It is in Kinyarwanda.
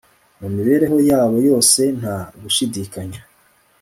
Mu mibereho yabo yose nta gushidikanya